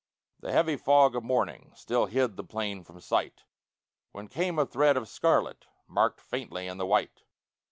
The heavy fog of morning Still hid the plain from sight, When came a thread of scarlet Marked faintly in the white.